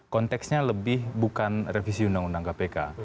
konteksnya lebih bukan revisi undang undang kpk